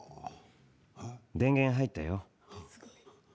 電源入ったよ。